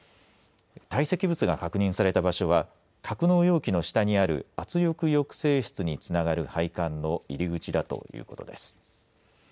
堆積物が確認された場所は格納容器の下にある圧力抑制室につながる配管の入り口だということです。